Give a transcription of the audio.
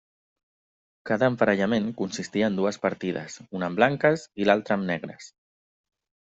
Cada emparellament consistia en dues partides, una amb blanques i l'altra amb negres.